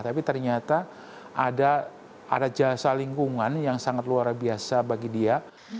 tapi ternyata ada jasa lingkungan yang sangat luar biasa bagi dia